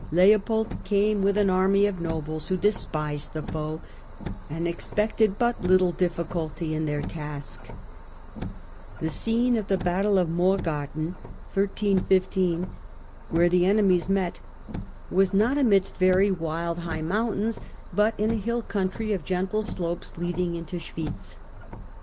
Leopold came with an army of nobles who despised the foe and expected but little difficulty in their task. The scene of Battle of the* Battle of Morgarten, where the enemies met, was .^orgar en, ^^^ ^midst very wild high mountains, but in a hill coun try of gentle slopes leading into Schwitz.